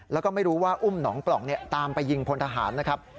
แล้วก็ไม่รู้ว่าอุ้มหนองปล่องตามไปยิงพลทหารนะครับ